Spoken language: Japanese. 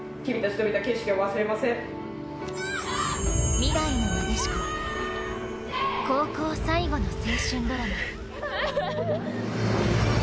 未来のなでしこ、高校最後の青春ドラマ。